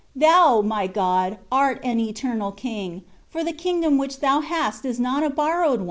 Thou, my God, art an Eternal King, for the Kingdom which Thou hast is not a borrowed one.